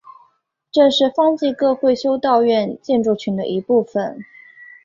这是方济各会修道院建筑群的一部分。